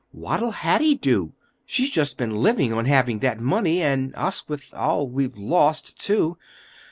What'll Hattie do? She's just been living on having that money. And us, with all we've lost, too!